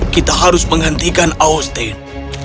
kita harus menghentikan austin